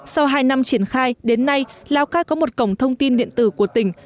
sau hai năm triển khai đến nay lào cai có một cổng thông tin điện tử của tỉnh